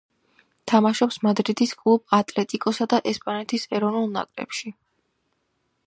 თამაშობს მადრიდის კლუბ „ატლეტიკოსა“ და ესპანეთის ეროვნულ ნაკრებში.